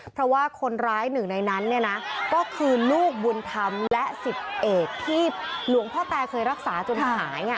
เพราะว่าคนร้ายหนึ่งในนั้นเนี่ยนะก็คือลูกบุญธรรมและ๑๐เอกที่หลวงพ่อแตเคยรักษาจนหาย